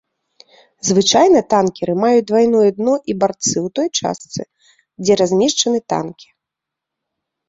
Звычайна танкеры маюць двайное дно і барты ў той частцы, дзе размешчаны танкі.